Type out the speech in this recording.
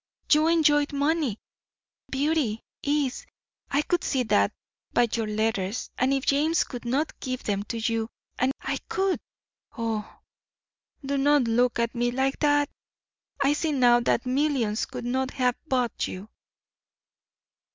You enjoy money, beauty, ease; I could see that by your letters, and if James could not give them to you and I could Oh, do not look at me like that! I see now that millions could not have bought you."